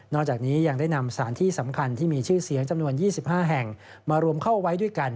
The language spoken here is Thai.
จากนี้ยังได้นำสถานที่สำคัญที่มีชื่อเสียงจำนวน๒๕แห่งมารวมเข้าไว้ด้วยกัน